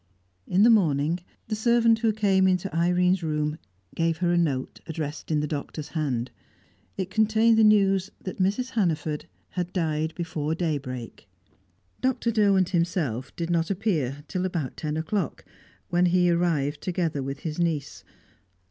In the morning, the servant who came into Irene's room gave her a note addressed in the Doctor's hand. It contained the news that Mrs. Hannaford had died before daybreak. Dr. Derwent himself did not appear till about ten o'clock, when he arrived together with his niece.